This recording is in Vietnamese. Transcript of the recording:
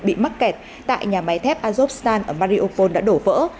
bị mắc kẹt tại nhà máy thép azovstan ở mariupol đã đổ vỡ